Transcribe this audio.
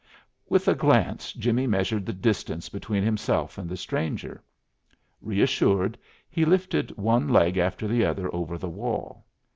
With a glance Jimmie measured the distance between himself and the stranger. Reassured, he lifted one leg after the other over the wall.